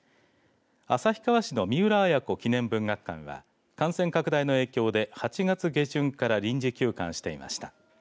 旭川市の三浦綾子記念文学館は感染拡大の影響で８月下旬から臨時休館していました。